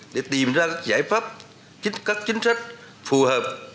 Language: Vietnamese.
để tìm ra các giải pháp các chính sách phù hợp